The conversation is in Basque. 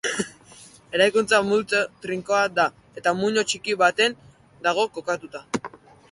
Eraikuntza-multzoa trinkoa da, eta muino txiki baten dago kokatua.